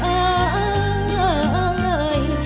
เอ่อเอ่อเอ่อเอ่งเอ่ย